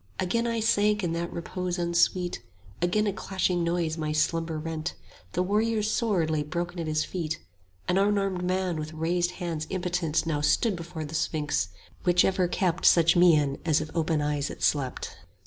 30 Again I sank in that repose unsweet, Again a clashing noise my slumber rent; The warrior's sword lay broken at his feet: An unarmed man with raised hands impotent Now stood before the sphinx, which ever kept 35 Such mien as if open eyes it slept.